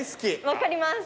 分かります。